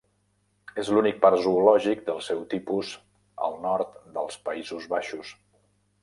És l'únic parc zoològic del seu tipus al nord dels Països Baixos.